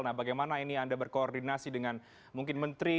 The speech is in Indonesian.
nah bagaimana ini anda berkoordinasi dengan mungkin menteri